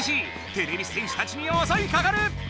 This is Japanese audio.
てれび戦士たちにおそいかかる！